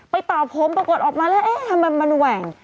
ตอบผมปรากฏออกมาแล้วเอ๊ะทำไมมันแหว่ง